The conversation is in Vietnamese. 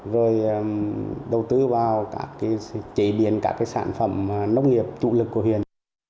rồi đô tư vào chế biến các sản phẩm nông nghiệp trụ lực của huyền